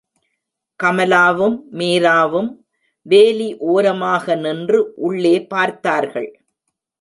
கமலாவும் மீராவும் வேலி ஒரமாக நின்று உள்ளே பார்த்தார்கள்.